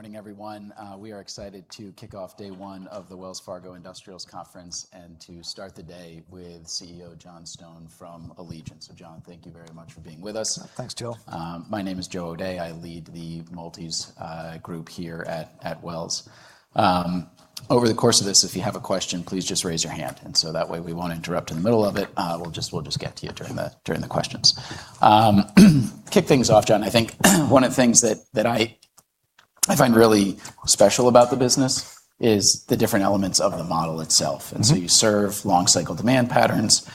Morning, everyone. We are excited to kick off day one of the Wells Fargo Industrials Conference and to start the day with CEO John Stone from Allegion. John, thank you very much for being with us. Thanks, Joe. My name is Joe O'Dea. I lead the multis group here at Wells Fargo. Over the course of this, if you have a question, please just raise your hand, that way we won't interrupt in the middle of it. We'll just get to you during the questions. To kick things off, John, I think one of the things that I find really special about the business is the different elements of the model itself. You serve long cycle demand patterns.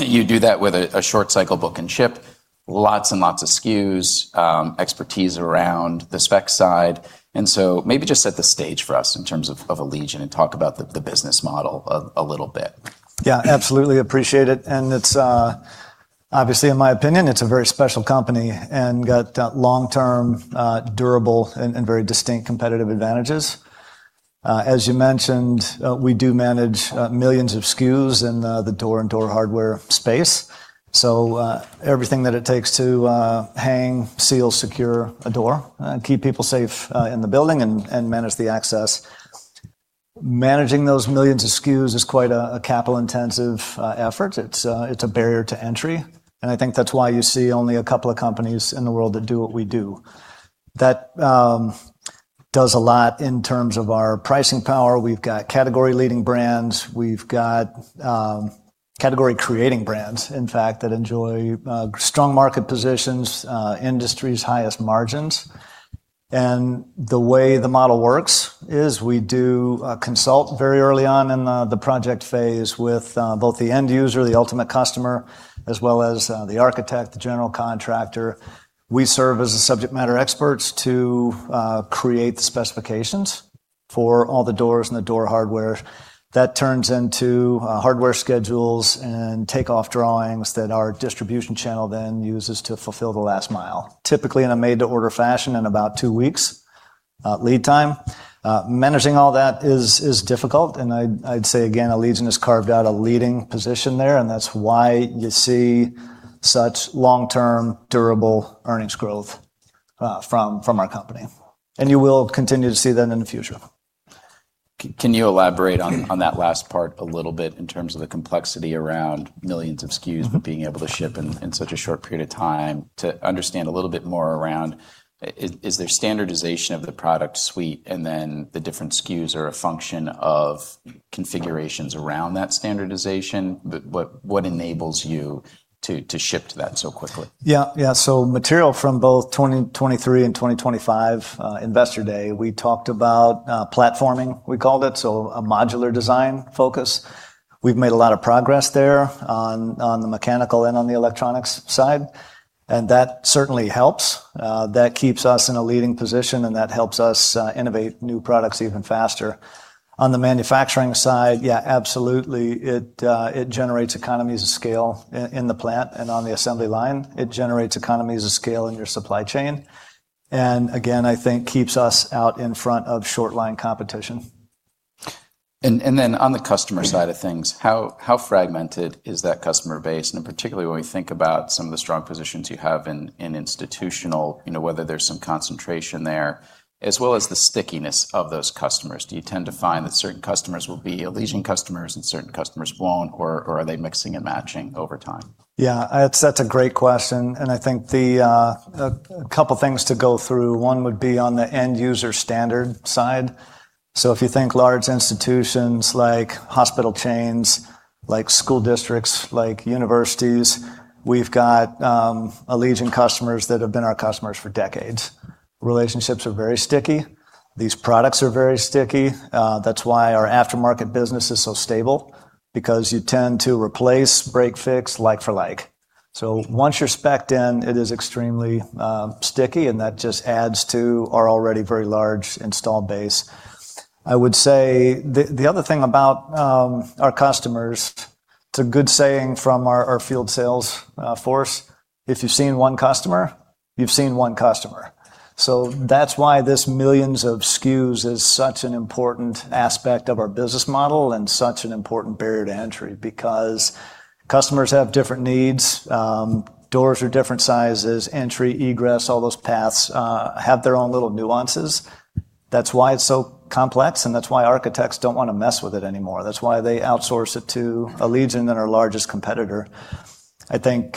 You do that with a short cycle book and ship, lots and lots of SKUs, expertise around the spec side. Maybe just set the stage for us in terms of Allegion and talk about the business model a little bit. Yeah, absolutely. Appreciate it. Obviously, in my opinion, it's a very special company, and got long-term durable and very distinct competitive advantages. As you mentioned, we do manage millions of SKUs in the door and door hardware space. Everything that it takes to hang, seal, secure a door, keep people safe in the building, and manage the access. Managing those millions of SKUs is quite a capital-intensive effort. It's a barrier to entry, and I think that's why you see only a couple of companies in the world that do what we do. That does a lot in terms of our pricing power. We've got category-leading brands. We've got category-creating brands, in fact, that enjoy strong market positions, industry's highest margins. The way the model works is we do consult very early on in the project phase with both the end user, the ultimate customer, as well as the architect, the general contractor. We serve as the subject matter experts to create the specifications for all the doors and the door hardware. That turns into hardware schedules and takeoff drawings that our distribution channel then uses to fulfill the last mile, typically in a made-to-order fashion in about two weeks lead time. Managing all that is difficult, and I'd say again, Allegion has carved out a leading position there, and that's why you see such long-term durable earnings growth from our company. You will continue to see that in the future. Can you elaborate on that last part a little bit in terms of the complexity around millions of SKUs being able to ship in such a short period of time? To understand a little bit more around, is there standardization of the product suite, and then the different SKUs are a function of configurations around that standardization? What enables you to ship to that so quickly? Material from both 2023 and 2025 Investor Day, we talked about platforming, we called it, a modular design focus. We've made a lot of progress there on the mechanical and on the electronics side, and that certainly helps. That keeps us in a leading position, and that helps us innovate new products even faster. On the manufacturing side, absolutely, it generates economies of scale in the plant and on the assembly line. It generates economies of scale in your supply chain, and again, I think keeps us out in front of short line competition. On the customer side of things, how fragmented is that customer base? Particularly when we think about some of the strong positions you have in institutional, whether there's some concentration there, as well as the stickiness of those customers. Do you tend to find that certain customers will be Allegion customers and certain customers won't, or are they mixing and matching over time? That's a great question, and I think a couple things to go through. One would be on the end user standard side. If you think large institutions like hospital chains, like school districts, like universities, we've got Allegion customers that have been our customers for decades. Relationships are very sticky. These products are very sticky. That's why our aftermarket business is so stable, because you tend to replace, break, fix, like for like. Once you're specced in, it is extremely sticky, and that just adds to our already very large installed base. I would say the other thing about our customers, it's a good saying from our field sales force, "If you've seen one customer, you've seen one customer." That's why this millions of SKUs is such an important aspect of our business model and such an important barrier to entry because customers have different needs. Doors are different sizes, entry, egress, all those paths have their own little nuances. That's why it's so complex, and that's why architects don't want to mess with it anymore. That's why they outsource it to Allegion and our largest competitor. I think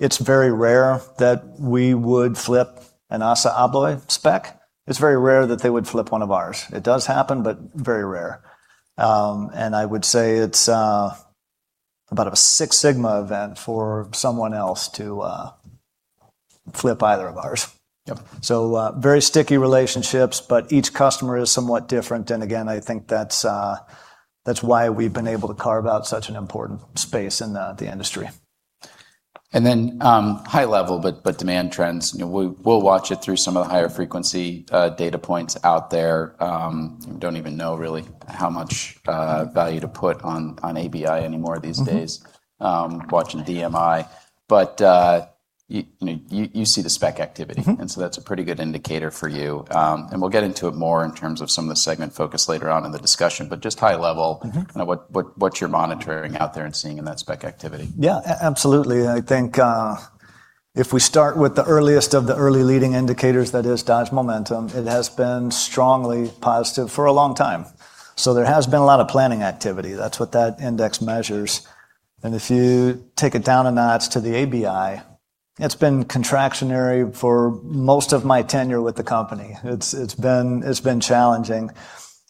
it's very rare that we would flip an ASSA ABLOY spec. It's very rare that they would flip one of ours. It does happen, but very rare. I would say it's about a Six Sigma event for someone else to flip either of ours. Yep. Very sticky relationships, but each customer is somewhat different. Again, I think that's why we've been able to carve out such an important space in the industry. High level, demand trends. We'll watch it through some of the higher frequency data points out there. Don't even know really how much value to put on ABI anymore these days. Watching DMI. You see the spec activity. That's a pretty good indicator for you. We'll get into it more in terms of some of the segment focus later on in the discussion, just high level what you're monitoring out there and seeing in that spec activity. Absolutely. I think if we start with the earliest of the early leading indicators, that is Dodge Momentum, it has been strongly positive for a long time. There has been a lot of planning activity. That's what that index measures. If you take it down a notch to the ABI, it's been contractionary for most of my tenure with the company. It's been challenging.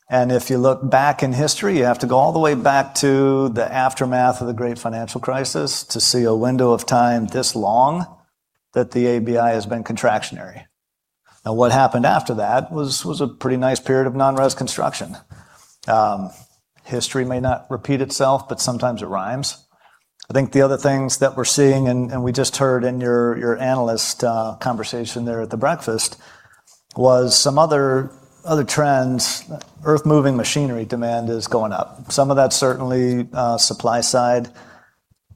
If you look back in history, you have to go all the way back to the aftermath of the Great Financial Crisis to see a window of time this long that the ABI has been contractionary. Now, what happened after that was a pretty nice period of non-res construction. History may not repeat itself, but sometimes it rhymes. I think the other things that we're seeing, and we just heard in your analyst conversation there at the breakfast, was some other trends. Earthmoving machinery demand is going up. Some of that's certainly supply side,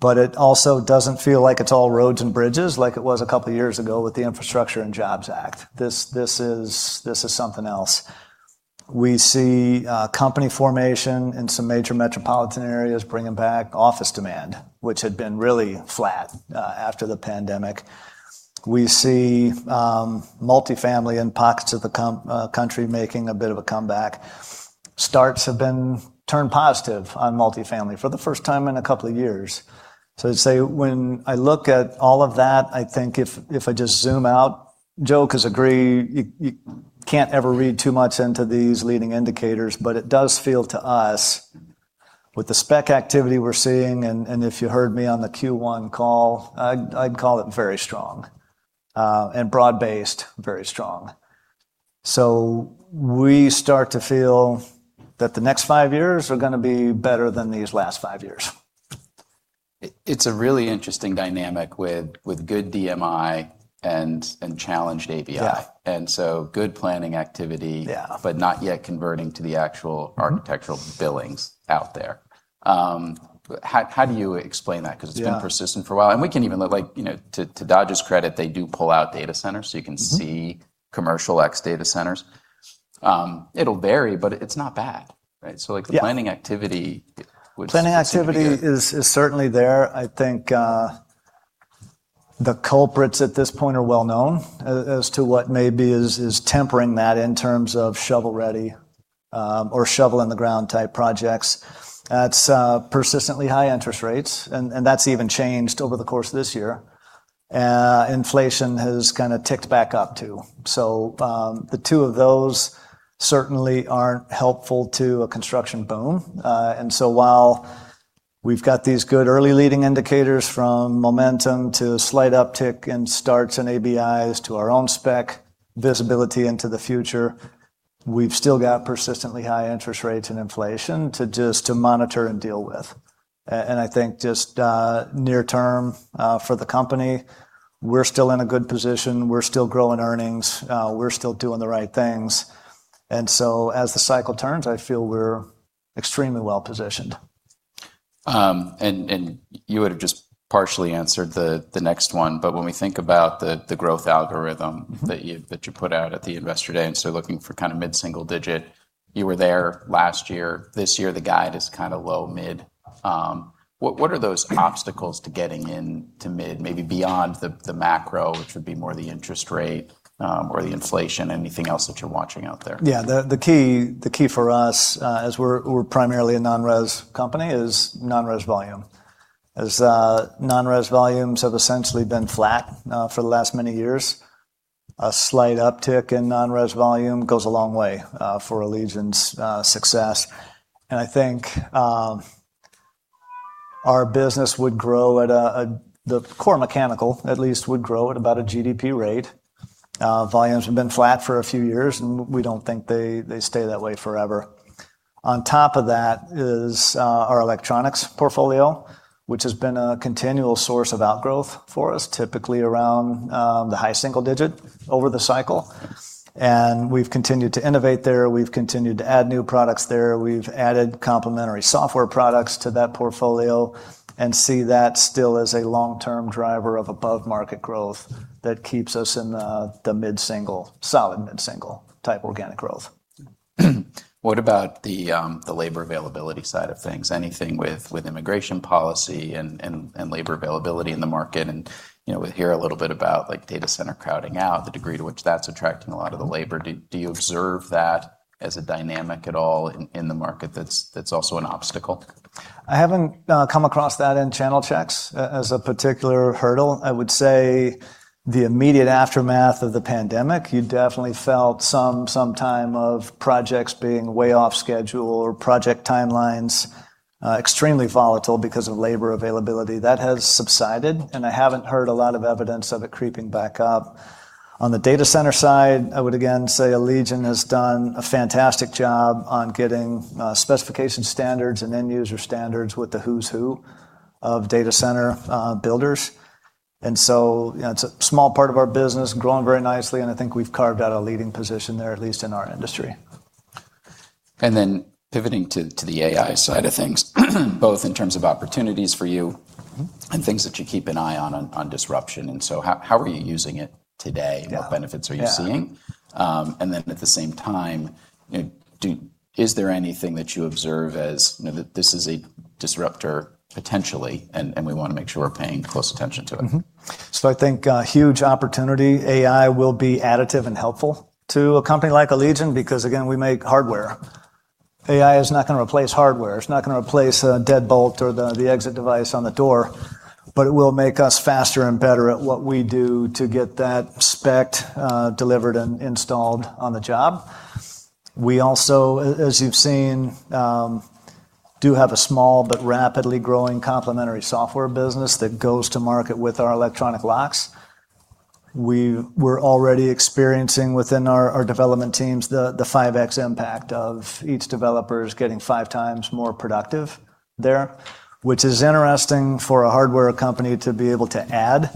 but it also doesn't feel like it's all roads and bridges like it was a couple of years ago with the Infrastructure and Jobs Act. This is something else. We see company formation in some major metropolitan areas bringing back office demand, which had been really flat after the pandemic. We see multifamily in pockets of the country making a bit of a comeback. Starts have been turned positive on multifamily for the first time in a couple of years. I'd say when I look at all of that, I think if I just zoom out, Joe could agree, you can't ever read too much into these leading indicators, but it does feel to us with the spec activity we're seeing, if you heard me on the Q1 call, I'd call it very strong, broad-based very strong. We start to feel that the next five years are going to be better than these last five years. It's a really interesting dynamic with good DMI and challenged ABI. Yeah. Good planning activity but not yet converting to the actual architectural billings out there. How do you explain that? It's been persistent for a while. We can even look, to Dodge's credit, they do pull out data centers, so you can see commercial X data centers. It'll vary, but it's not bad, right? The planning activity? Planning activity is certainly there. I think the culprits at this point are well known as to what may be is tempering that in terms of shovel-ready or shovel in the ground type projects. That is persistently high interest rates, and that has even changed over the course of this year. Inflation has kind of ticked back up, too. The two of those certainly are not helpful to a construction boom. While we have got these good early leading indicators from momentum to slight uptick in starts and ABIs to our own spec visibility into the future, we have still got persistently high interest rates and inflation to just to monitor and deal with. I think just near term for the company, we are still in a good position. We are still growing earnings. We are still doing the right things. As the cycle turns, I feel we are extremely well positioned. You would have just partially answered the next one, when we think about the growth algorithm that you put out at the Investor Day, looking for kind of mid-single-digit. You were there last year. This year, the guide is kind of low mid. What are those obstacles to getting into mid, maybe beyond the macro, which would be more the interest rate or the inflation? Anything else that you are watching out there? Yeah. The key for us, as we are primarily a non-res company, is non-res volume. As non-res volumes have essentially been flat for the last many years, a slight uptick in non-res volume goes a long way for Allegion's success. I think our business would grow at a, the core mechanical at least, would grow at about a GDP rate. Volumes have been flat for a few years, and we do not think they stay that way forever. On top of that is our electronics portfolio, which has been a continual source of outgrowth for us, typically around the high-single-digit over the cycle. We have continued to innovate there. We have continued to add new products there. We have added complementary software products to that portfolio and see that still as a long-term driver of above-market growth that keeps us in the mid-single, solid mid-single type organic growth. What about the labor availability side of things? Anything with immigration policy and labor availability in the market, we hear a little bit about data center crowding out, the degree to which that's attracting a lot of the labor. Do you observe that as a dynamic at all in the market that's also an obstacle? I haven't come across that in channel checks as a particular hurdle. I would say the immediate aftermath of the pandemic, you definitely felt some time of projects being way off schedule or project timelines extremely volatile because of labor availability. That has subsided, and I haven't heard a lot of evidence of it creeping back up. On the data center side, I would again say Allegion has done a fantastic job on getting specification standards and end user standards with the who's who of data center builders. It's a small part of our business, growing very nicely, and I think we've carved out a leading position there, at least in our industry. Pivoting to the AI side of things, both in terms of opportunities for you and things that you keep an eye on disruption. How are you using it today? What benefits are you seeing? At the same time, is there anything that you observe as this is a disruptor potentially, and we want to make sure we're paying close attention to it? I think a huge opportunity, AI will be additive and helpful to a company like Allegion because, again, we make hardware. AI is not going to replace hardware. It's not going to replace a deadbolt or the exit device on the door, but it will make us faster and better at what we do to get that specced, delivered, and installed on the job. We also, as you've seen, do have a small but rapidly growing complementary software business that goes to market with our electronic locks. We were already experiencing within our development teams the 5x impact of each developer is getting five times more productive there, which is interesting for a hardware company to be able to add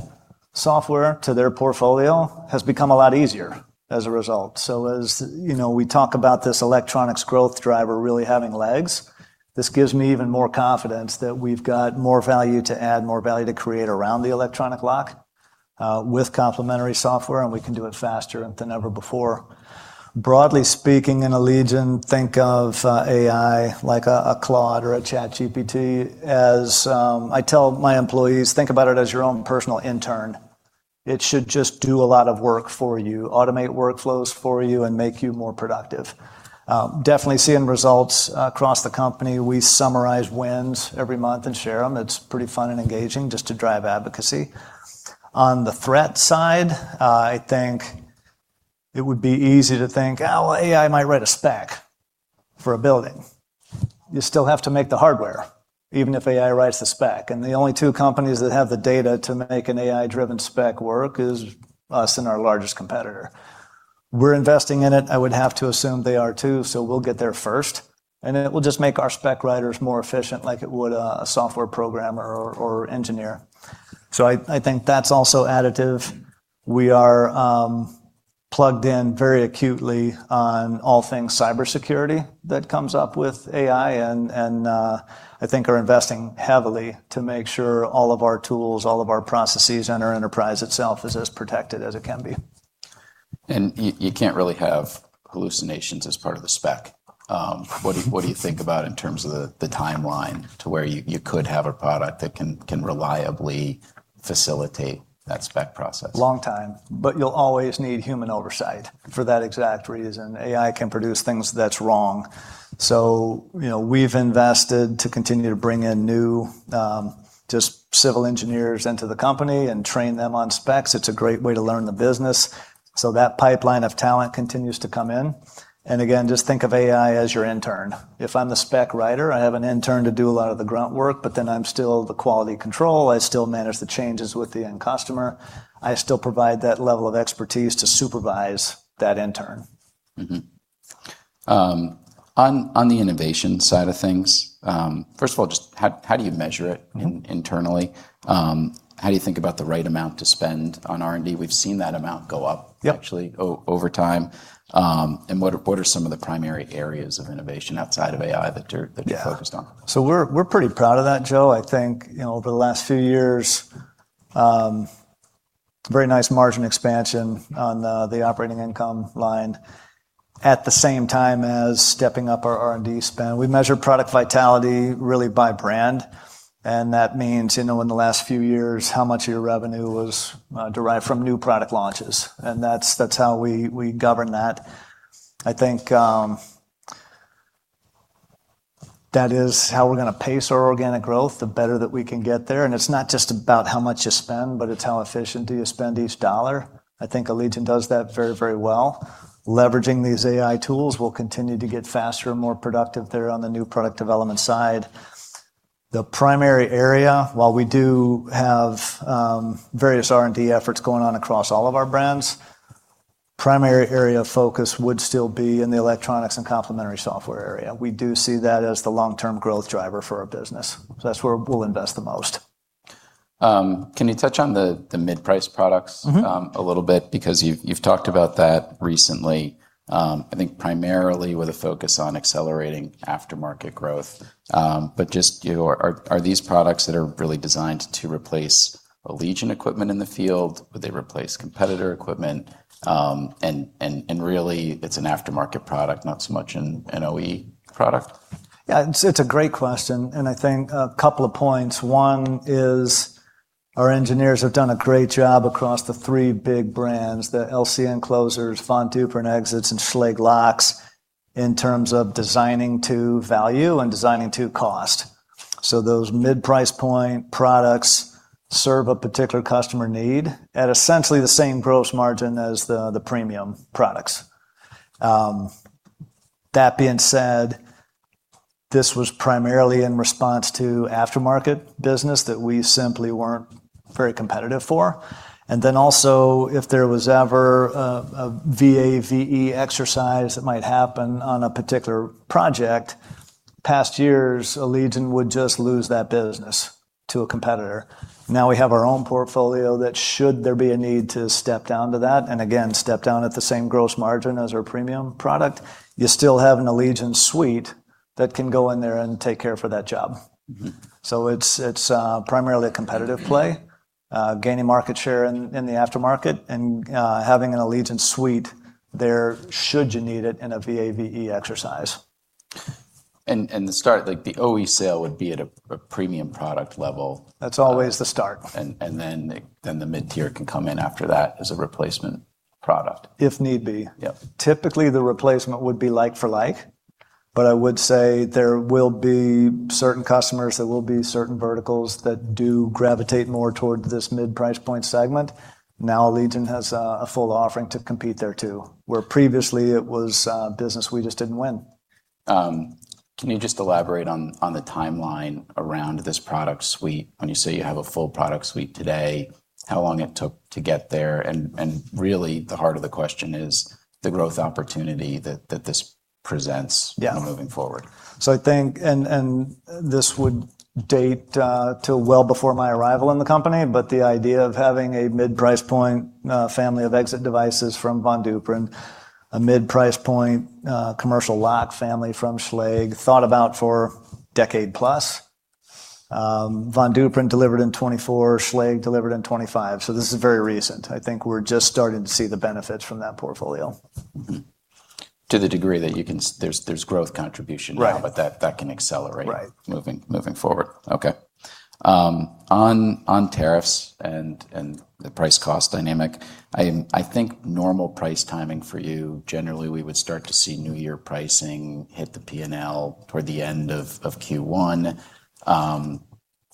software to their portfolio, has become a lot easier as a result. As we talk about this electronics growth driver really having legs, this gives me even more confidence that we've got more value to add, more value to create around the electronic lock with complementary software, and we can do it faster than ever before. Broadly speaking in Allegion, think of AI like a Claude or a ChatGPT as I tell my employees, think about it as your own personal intern. It should just do a lot of work for you, automate workflows for you and make you more productive. Definitely seeing results across the company. We summarize wins every month and share them. It's pretty fun and engaging just to drive advocacy. On the threat side, I think it would be easy to think, "Oh, AI might write a spec for a building." You still have to make the hardware even if AI writes the spec. The only two companies that have the data to make an AI-driven spec work is us and our largest competitor. We're investing in it. I would have to assume they are too. We'll get there first, and it will just make our spec writers more efficient like it would a software programmer or engineer. I think that's also additive. We are plugged in very acutely on all things cybersecurity that comes up with AI and I think are investing heavily to make sure all of our tools, all of our processes, and our enterprise itself is as protected as it can be. You can't really have hallucinations as part of the spec. What do you think about in terms of the timeline to where you could have a product that can reliably facilitate that spec process? Long time, you'll always need human oversight for that exact reason. AI can produce things that's wrong. We've invested to continue to bring in new just civil engineers into the company and train them on specs. It's a great way to learn the business. That pipeline of talent continues to come in. Again, just think of AI as your intern. If I'm the spec writer, I have an intern to do a lot of the grunt work, I'm still the quality control. I still manage the changes with the end customer. I still provide that level of expertise to supervise that intern. On the innovation side of things, first of all, just how do you measure it internally? How do you think about the right amount to spend on R&D? We've seen that amount go up- Yep actually over time. What are some of the primary areas of innovation outside of AI that you're focused on? We're pretty proud of that, Joe. I think over the last few years, very nice margin expansion on the operating income line at the same time as stepping up our R&D spend. We measure product vitality really by brand, and that means in the last few years, how much of your revenue was derived from new product launches? That's how we govern that. I think that is how we're going to pace our organic growth, the better that we can get there, and it's not just about how much you spend, but it's how efficient do you spend each dollar? I think Allegion does that very well. Leveraging these AI tools will continue to get faster and more productive there on the new product development side. The primary area, while we do have various R&D efforts going on across all of our brands, primary area of focus would still be in the electronics and complementary software area. We do see that as the long-term growth driver for our business. That's where we'll invest the most. Can you touch on the mid-price products a little bit? You've talked about that recently. I think primarily with a focus on accelerating aftermarket growth. Are these products that are really designed to replace Allegion equipment in the field? Would they replace competitor equipment? Really it's an aftermarket product, not so much an OE product. It's a great question, and I think a couple of points. One is our engineers have done a great job across the three big brands, the LCN Closers, Von Duprin exits, and Schlage locks in terms of designing to value and designing to cost. Those mid-price point products serve a particular customer need at essentially the same gross margin as the premium products. That being said, this was primarily in response to aftermarket business that we simply weren't very competitive for. Also, if there was ever a VA/VE exercise that might happen on a particular project. Past years, Allegion would just lose that business to a competitor. We have our own portfolio that should there be a need to step down to that, and again, step down at the same gross margin as our premium product, you still have an Allegion suite that can go in there and take care for that job. It's primarily a competitive play, gaining market share in the aftermarket and having an Allegion suite there should you need it in a VA/VE exercise. The start, like the OE sale would be at a premium product level. That's always the start. The mid-tier can come in after that as a replacement product. If need be. Yep. Typically, the replacement would be like for like, I would say there will be certain customers, there will be certain verticals that do gravitate more toward this mid-price point segment. Allegion has a full offering to compete there too, where previously it was business we just didn't win. Can you just elaborate on the timeline around this product suite? When you say you have a full product suite today, how long it took to get there and, really the heart of the question is the growth opportunity that this presents moving forward? I think, and this would date to well before my arrival in the company, but the idea of having a mid-price point family of exit devices from Von Duprin, a mid-price point commercial lock family from Schlage thought about for decade plus. Von Duprin delivered in 2024, Schlage delivered in 2025. This is very recent. I think we're just starting to see the benefits from that portfolio. To the degree that there's growth contribution now. Right That can accelerate moving forward. Right On tariffs and the price cost dynamic, I think normal price timing for you, generally, we would start to see new year pricing hit the P&L toward the end of Q1.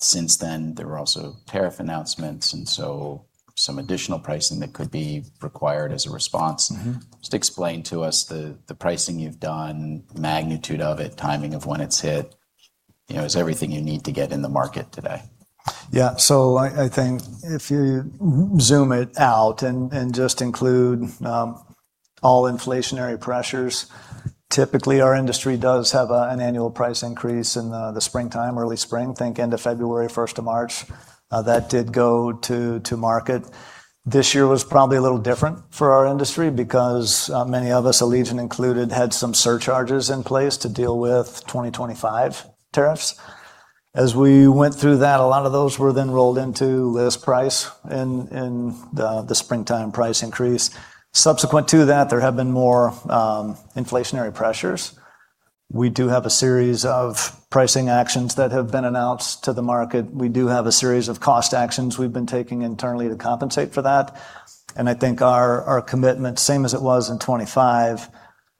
Since then, there were also tariff announcements, some additional pricing that could be required as a response. Just explain to us the pricing you've done, magnitude of it, timing of when it's hit. Is it everything you need to get in the market today? I think if you zoom it out and just include all inflationary pressures, typically our industry does have an annual price increase in the springtime, early spring, think end of February, 1st of March. That did go to market. This year was probably a little different for our industry because many of us, Allegion included, had some surcharges in place to deal with 2025 tariffs. As we went through that, a lot of those were then rolled into this price in the springtime price increase. Subsequent to that, there have been more inflationary pressures. We do have a series of pricing actions that have been announced to the market. We do have a series of cost actions we've been taking internally to compensate for that. I think our commitment, same as it was in 2025,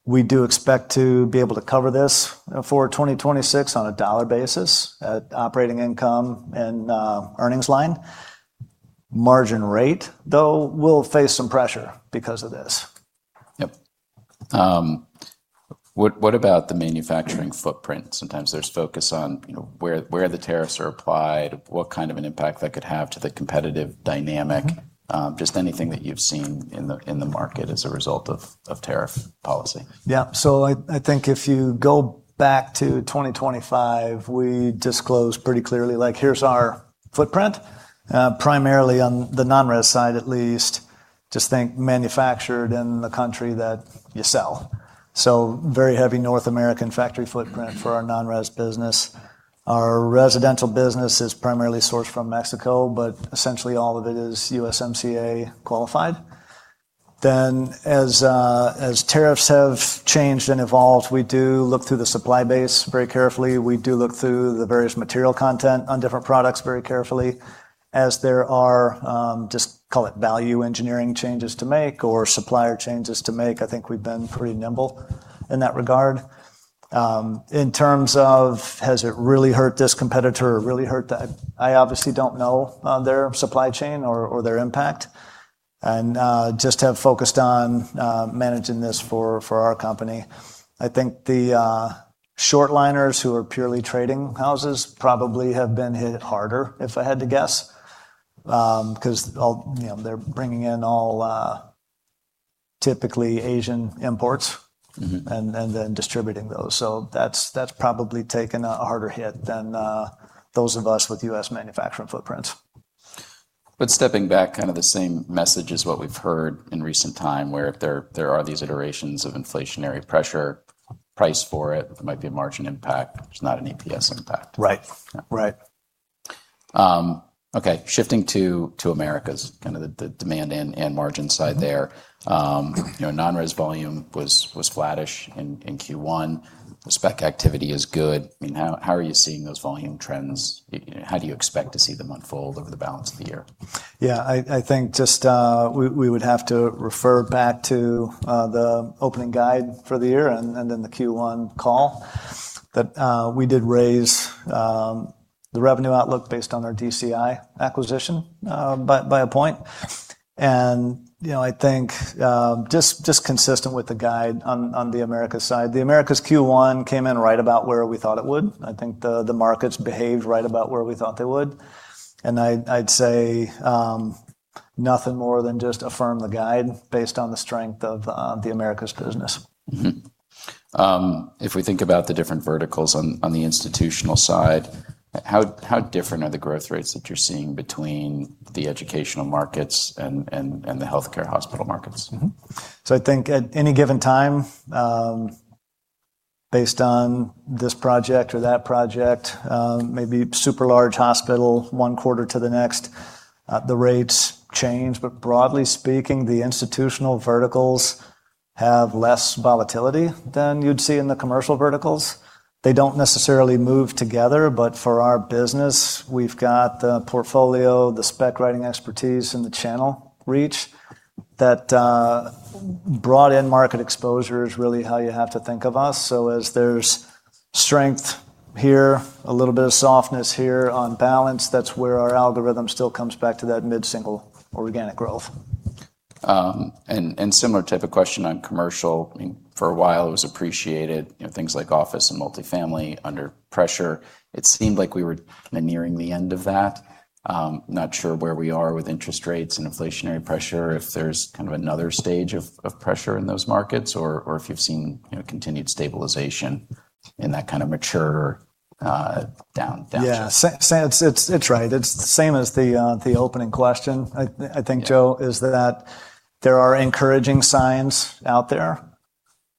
we do expect to be able to cover this for 2026 on a dollar basis at operating income and earnings line. Margin rate, though, will face some pressure because of this. Yep. What about the manufacturing footprint? Sometimes there's focus on where the tariffs are applied, what kind of an impact that could have to the competitive dynamic. Just anything that you've seen in the market as a result of tariff policy. Yeah. I think if you go back to 2025, we disclosed pretty clearly, like, "Here's our footprint," primarily on the non-res side, at least, just think manufactured in the country that you sell. Very heavy North American factory footprint for our non-res business. Our residential business is primarily sourced from Mexico, but essentially all of it is USMCA qualified. As tariffs have changed and evolved, we do look through the supply base very carefully. We do look through the various material content on different products very carefully as there are, just call it value engineering changes to make or supplier changes to make. I think we've been pretty nimble in that regard. In terms of has it really hurt this competitor or really hurt that, I obviously don't know their supply chain or their impact and just have focused on managing this for our company. I think the short liners who are purely trading houses probably have been hit harder, if I had to guess, because they're bringing in all typically Asian imports and then distributing those. That's probably taken a harder hit than those of us with U.S. manufacturing footprints. Stepping back, kind of the same message as what we've heard in recent time, where if there are these iterations of inflationary pressure, price for it, there might be a margin impact. There's not an EPS impact. Right. Right. Okay. Shifting to Americas, kind of the demand and margin side there. Non-res volume was flattish in Q1. The spec activity is good. How are you seeing those volume trends? How do you expect to see them unfold over the balance of the year? I think we would have to refer back to the opening guide for the year, then the Q1 call that we did raise the revenue outlook based on our DCI acquisition by a point. I think consistent with the guide on the Americas side. The Americas Q1 came in right about where we thought it would. I think the markets behaved right about where we thought they would. I'd say nothing more than just affirm the guide based on the strength of the Americas business. If we think about the different verticals on the institutional side, how different are the growth rates that you're seeing between the educational markets and the healthcare hospital markets? I think at any given time, based on this project or that project, maybe super large hospital one quarter to the next, the rates change. Broadly speaking, the institutional verticals have less volatility than you'd see in the commercial verticals. They don't necessarily move together, for our business, we've got the portfolio, the spec writing expertise, and the channel reach that broad in-market exposure is really how you have to think of us. As there's strength here, a little bit of softness here on balance, that's where our algorithm still comes back to that mid-single organic growth. Similar type of question on commercial. For a while, it was appreciated things like office and multi-family under pressure. It seemed like we were nearing the end of that. Not sure where we are with interest rates and inflationary pressure if there's another stage of pressure in those markets or if you've seen continued stabilization in that mature downturn. Yeah. It's right. It's the same as the opening question, I think, Joe, is that there are encouraging signs out there.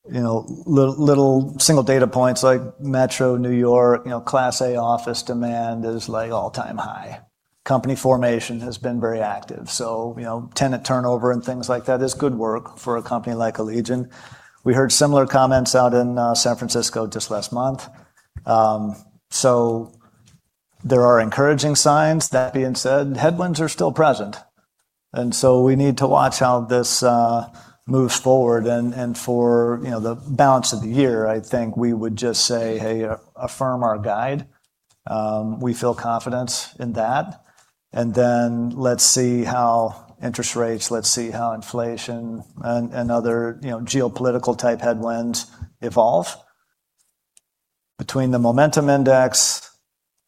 Little single data points like Metro New York, Class A office demand is all-time high. Company formation has been very active. Tenant turnover and things like that is good work for a company like Allegion. We heard similar comments out in San Francisco just last month. There are encouraging signs. That being said, headwinds are still present, and so we need to watch how this moves forward. For the balance of the year, I think we would just say, hey, affirm our guide. We feel confidence in that, and then let's see how interest rates, let's see how inflation and other geopolitical type headwinds evolve. Between the Dodge Momentum Index,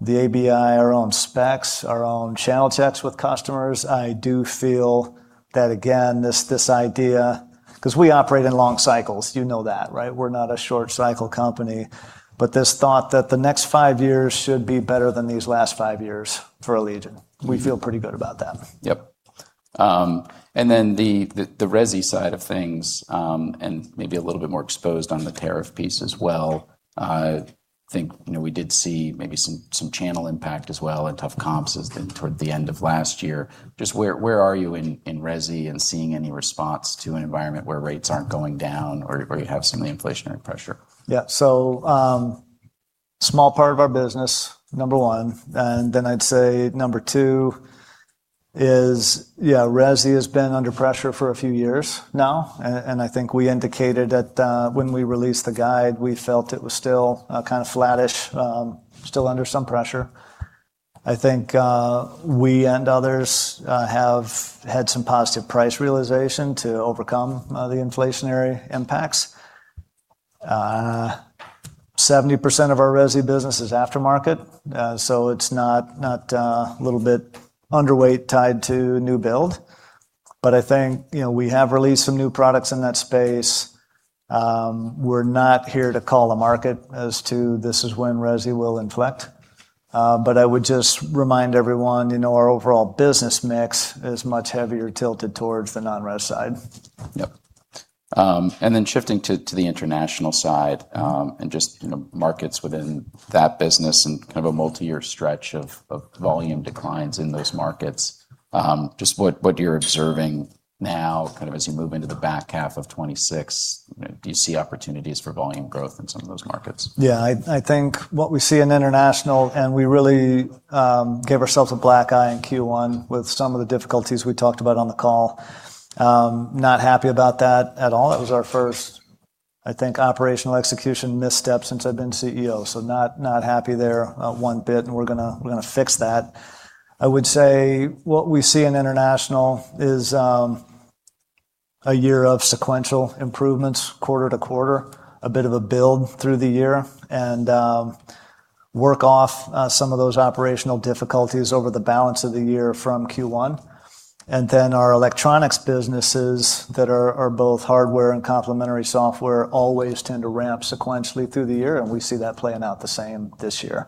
the ABI, our own specs, our own channel checks with customers, I do feel that, again, this idea, because we operate in long cycles, you know that, right? We're not a short cycle company, but this thought that the next five years should be better than these last five years for Allegion. We feel pretty good about that. Yep. Then the resi side of things, and maybe a little bit more exposed on the tariff piece as well. I think we did see maybe some channel impact as well and tough comps as toward the end of last year. Just where are you in resi and seeing any response to an environment where rates aren't going down or where you have some of the inflationary pressure? Yeah. Small part of our business, number 1. Then I'd say number 2 is, yeah, resi has been under pressure for a few years now, and I think we indicated that when we released the guide, we felt it was still kind of flattish, still under some pressure. I think we and others have had some positive price realization to overcome the inflationary impacts. 70% of our resi business is aftermarket, so it's not a little bit underweight tied to new build. I think we have released some new products in that space. We're not here to call a market as to this is when resi will inflect. I would just remind everyone, our overall business mix is much heavier tilted towards the non-resi side. Yep. Shifting to the international side, just markets within that business and kind of a multiyear stretch of volume declines in those markets. Just what you're observing now, kind of as you move into the back half of 2026, do you see opportunities for volume growth in some of those markets? Yeah, I think what we see in international, we really gave ourselves a black eye in Q1 with some of the difficulties we talked about on the call. Not happy about that at all. It was our first, I think, operational execution misstep since I've been CEO. Not happy there one bit, and we're going to fix that. I would say what we see in international is a year of sequential improvements quarter to quarter, a bit of a build through the year, and work off some of those operational difficulties over the balance of the year from Q1. Our electronics businesses that are both hardware and complementary software always tend to ramp sequentially through the year, and we see that playing out the same this year.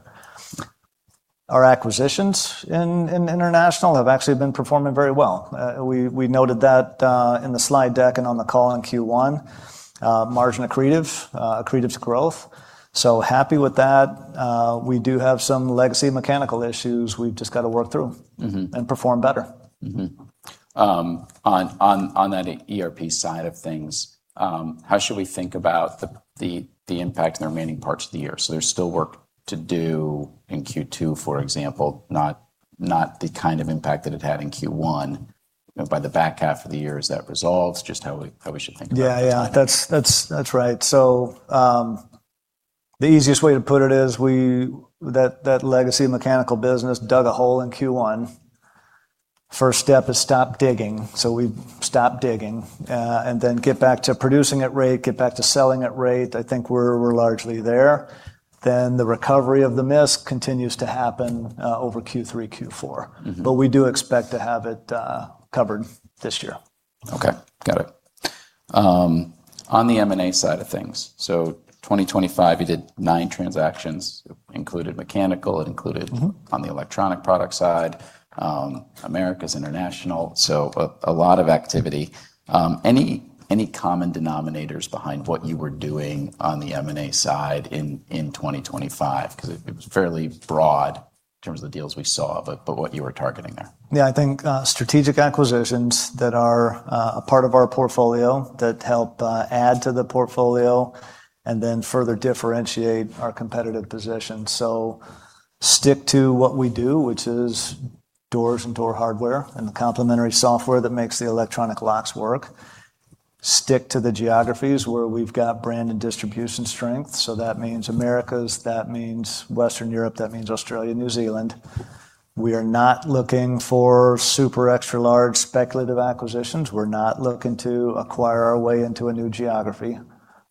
Our acquisitions in international have actually been performing very well. We noted that in the slide deck and on the call on Q1. Margin accretive. Accretive to growth. Happy with that. We do have some legacy mechanical issues we've just got to work through and perform better. On that ERP side of things, how should we think about the impact in the remaining parts of the year? There's still work to do in Q2, for example, not the kind of impact that it had in Q1. By the back half of the year, is that resolved? Just how we should think about the timing. That's right. The easiest way to put it is, that legacy mechanical business dug a hole in Q1. First step is stop digging. We stop digging, and then get back to producing at rate, get back to selling at rate. I think we're largely there. The recovery of the miss continues to happen over Q3, Q4. We do expect to have it covered this year. Got it. On the M&A side of things, 2025, you did nine transactions. It included mechanical. It included on the electronic product side, Americas International, so a lot of activity. Any common denominators behind what you were doing on the M&A side in 2025? Because it was fairly broad in terms of the deals we saw, but what you were targeting there. Yeah. I think strategic acquisitions that are a part of our portfolio that help add to the portfolio and then further differentiate our competitive position. Stick to what we do, which is doors and door hardware and the complementary software that makes the electronic locks work. Stick to the geographies where we've got brand and distribution strength, so that means Americas, that means Western Europe, that means Australia, New Zealand. We are not looking for super extra large speculative acquisitions. We're not looking to acquire our way into a new geography.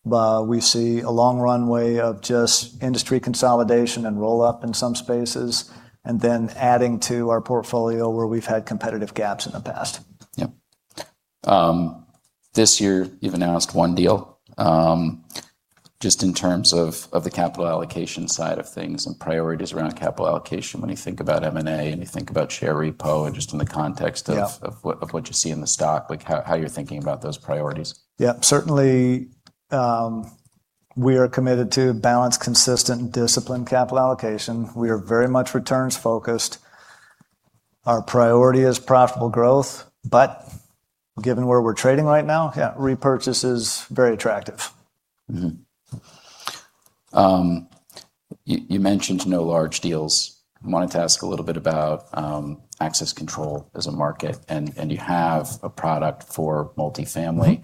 We see a long runway of just industry consolidation and roll-up in some spaces, and then adding to our portfolio where we've had competitive gaps in the past. Yep. This year, you've announced one deal. Just in terms of the capital allocation side of things and priorities around capital allocation, when you think about M&A and you think about share repo and just in the context of what you see in the stock, how you're thinking about those priorities. Yeah. Certainly, we are committed to balanced, consistent, disciplined capital allocation. We are very much returns focused. Our priority is profitable growth, but given where we're trading right now, yeah, repurchase is very attractive. You mentioned no large deals. I wanted to ask a little bit about access control as a market, and you have a product for multifamily.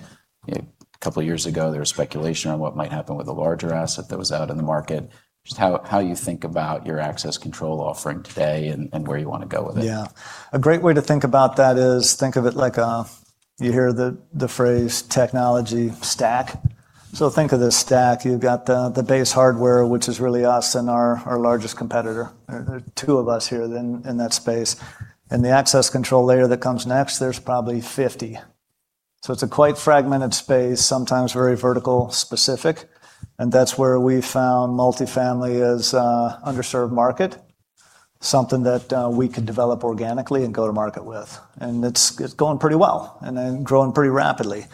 A couple of years ago, there was speculation on what might happen with a larger asset that was out in the market. Just how you think about your access control offering today and where you want to go with it. Yeah. A great way to think about that is think of it like, you hear the phrase technology stack. Think of this stack. You've got the base hardware, which is really us and our largest competitor. There are two of us here in that space. The access control layer that comes next, there's probably 50. It's a quite fragmented space, sometimes very vertical specific, and that's where we found multifamily as a underserved market, something that we could develop organically and go to market with. It's going pretty well and then growing pretty rapidly.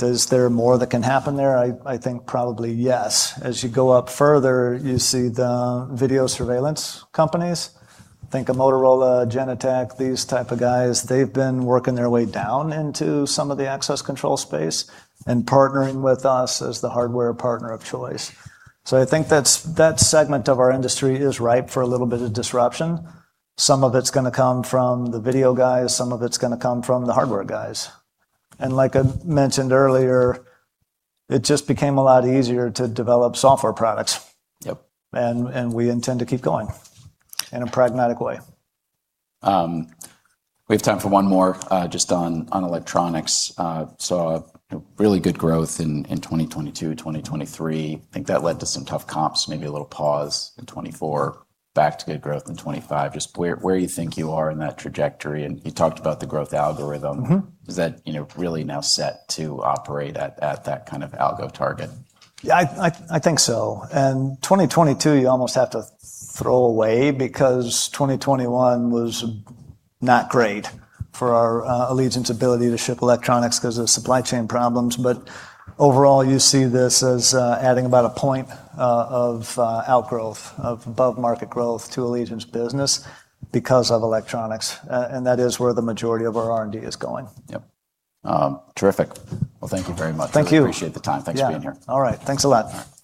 Is there more that can happen there? I think probably yes. As you go up further, you see the video surveillance companies. Think of Motorola, Genetec, these type of guys. They've been working their way down into some of the access control space and partnering with us as the hardware partner of choice. I think that segment of our industry is ripe for a little bit of disruption. Some of it's going to come from the video guys, some of it's going to come from the hardware guys. Like I mentioned earlier, it just became a lot easier to develop software products. Yep. We intend to keep going in a pragmatic way. We have time for one more, just on electronics. Saw really good growth in 2022, 2023. I think that led to some tough comps, maybe a little pause in 2024, back to good growth in 2025. Just where you think you are in that trajectory, you talked about the growth algorithm. Is that really now set to operate at that kind of algo target? Yeah, I think so. 2022, you almost have to throw away because 2021 was not great for our Allegion's ability to ship electronics because of supply chain problems. Overall, you see this as adding about 1 point of outgrowth, of above-market growth to Allegion's business because of electronics. That is where the majority of our R&D is going. Yep. Terrific. Well, thank you very much. Thank you. We appreciate the time. Yeah. Thanks for being here. All right. Thanks a lot.